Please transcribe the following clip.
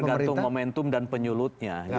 lepas itu tergantung momentum dan penyulutnya